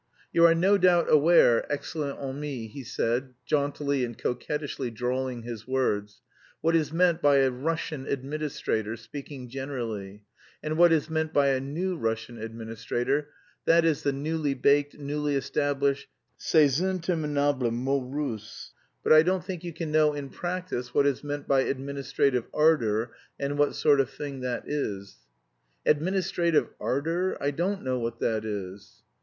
"You are no doubt aware, excellente amie," he said, jauntily and coquettishly drawling his words, "what is meant by a Russian administrator, speaking generally, and what is meant by a new Russian administrator, that is the newly baked, newly established... ces interminables mots Russes! But I don't think you can know in practice what is meant by administrative ardour, and what sort of thing that is." "Administrative ardour? I don't know what that is."